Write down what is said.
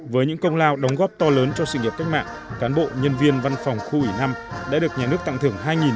với những công lao đóng góp to lớn cho sự nghiệp cách mạng cán bộ nhân viên văn phòng khu ủy năm đã được nhà nước tặng thưởng